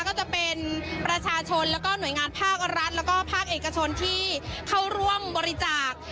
ก็จะเป็นประชาชนแล้วก็หน่วยงานภาครัฐแล้วก็ภาคเอกชนที่เข้าร่วมบริจาค